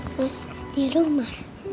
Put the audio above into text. sus di rumah